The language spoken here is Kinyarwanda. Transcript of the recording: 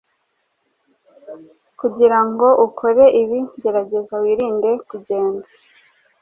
Kugirango ukore ibi, gerageza wirinde kugenda